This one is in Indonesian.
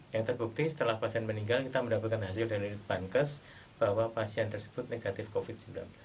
yang terbukti setelah pasien meninggal kita mendapatkan hasil dari pankes bahwa pasien tersebut negatif covid sembilan belas